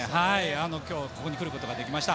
今日はここに来ることができました。